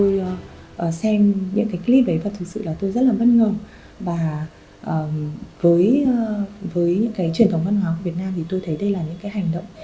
và với những cái truyền thống văn hóa của việt nam thì tôi thấy đây là những cái hành động